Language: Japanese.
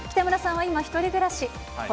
北村さんは今、１人暮らし。